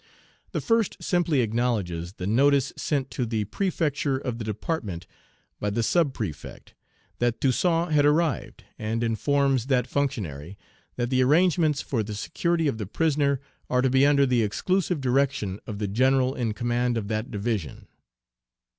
The first simply acknowledges the notice sent to the Prefecture of the Department by the Sub Prefect, that Toussaint had arrived, and informs that functionary that the arrangements for the security of the prisoner are to be under the exclusive direction of the general in command of that division.